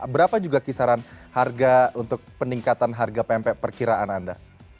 berapa juga kisaran harga untuk peningkatan harga pmp perkiraan anda